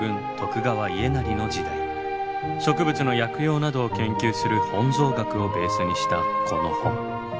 植物の薬用などを研究する本草学をベースにしたこの本。